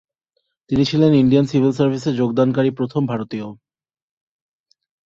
তিনি ছিলেন Indian civil সার্ভিসে যোগদানকারী প্রথম ভারতীয়।